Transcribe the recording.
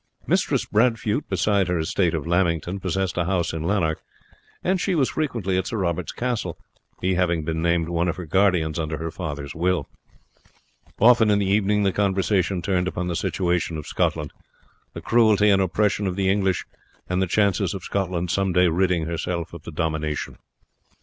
Mistress Bradfute, besides her estate of Lamington, possessed a house in Lanark; and she was frequently at Sir Robert's castle, he having been named one of her guardians under her father's will. Often in the evening the conversation turned upon the situation of Scotland, the cruelty and oppression of the English, and the chances of Scotland some day ridding herself of the domination.